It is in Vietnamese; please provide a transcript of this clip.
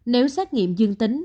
nếu xét nghiệm dương tính